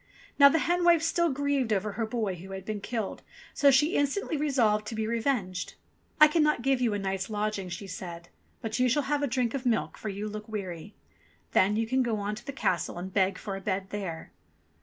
Now the hen wife still grieved over her boy who had been killed, so she instantly resolved to be revenged. "I cannot give you a night's lodging," she said. "But you shall have a drink of milk, for you look weary. Then you can go on to the castle and beg for a bed there."